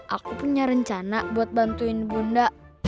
aku punya rencana buat bantuin bunda